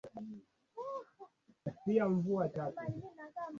ufaransa britain na pia ame marekani